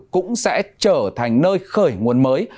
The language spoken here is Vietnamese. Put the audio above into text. cũng sẽ trở thành nơi khởi nguồn mới